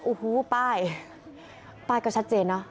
โอ้โหป้ายป้ายก็ชัดเจนเนอะ